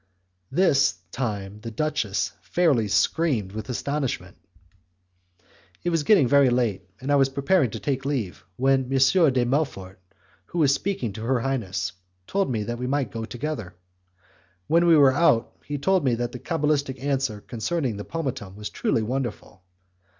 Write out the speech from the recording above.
This time the duchess fairly screamed with astonishment. It was getting very late, and I was preparing to take leave, when M. de Melfort, who was speaking to her highness, told me that we might go together. When we were out, he told me that the cabalistic answer concerning the pomatum was truly wonderful.